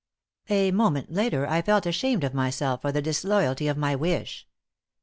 A moment later I felt ashamed of myself for the disloyalty of my wish.